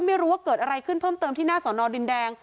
ไม่รู้ว่าเกิดอะไรขึ้นเพิ่มเติมที่หน้าสอนอดินแดง